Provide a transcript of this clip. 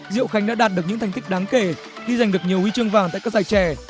diệu khánh đã đạt được những thành tích đáng kể khi giành được nhiều huy chương vàng tại các giải trẻ